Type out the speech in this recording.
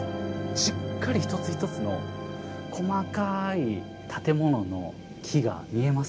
しっかり一つ一つの細かい建物の木が見えますよ。